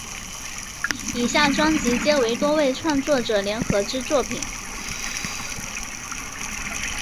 以下专辑皆为多位创作者联合之作品。